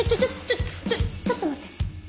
ちょっちょっと待って！